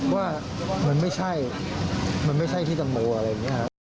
ว่ามันไม่ใช่ที่จะโมวอะไรอย่างนี้ครับ